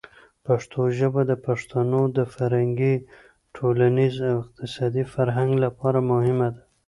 پښتو ژبه د پښتنو د فرهنګي، ټولنیز او اقتصادي پرمختګ لپاره مهمه ده.